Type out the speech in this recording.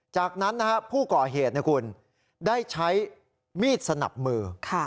จากนั้นผู้ก่อเหตุได้ใช้มีดสนับมือ